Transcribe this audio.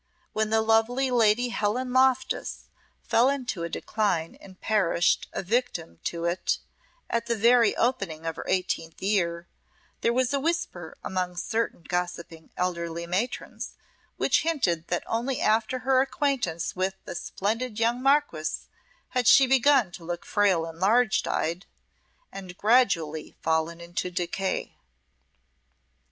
When the lovely Lady Helen Loftus fell into a decline and perished a victim to it at the very opening of her eighteenth year, there was a whisper among certain gossiping elderly matrons, which hinted that only after her acquaintance with the splendid young Marquess had she begun to look frail and large eyed, and gradually fallen into decay.